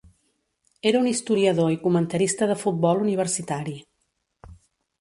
Era un historiador i comentarista de futbol universitari.